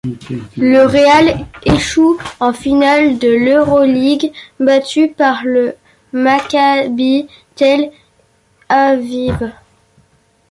Le Real échoue en finale de l'Euroligue, battu par le Maccabi Tel-Aviv.